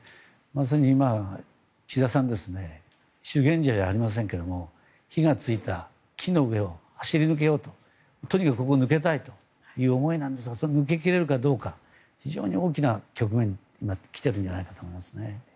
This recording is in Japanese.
今、岸田さん修験者じゃありませんけど火のついた木の上を走り抜けようととにかくここを抜けたいという思いですが、抜け切れるかどうか非常に大きな局面に来ていると思います。